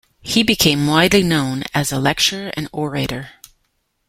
He became widely known as a lecturer and orator.